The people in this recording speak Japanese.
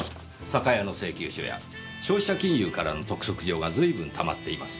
酒屋の請求書や消費者金融からの督促状が随分たまっています。